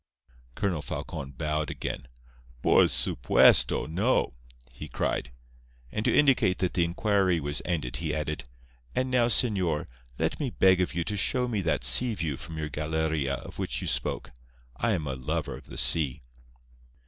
Colonel Falcon bowed again. "Por supuesto, no!" he cried. And to indicate that the inquiry was ended he added: "And now, señor, let me beg of you to show me that sea view from your galeria of which you spoke. I am a lover of the sea."